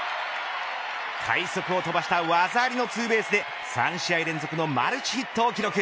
快足を飛ばした技ありのツーベースで３試合連続のマルチヒットを記録。